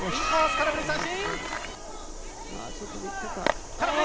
空振り三振！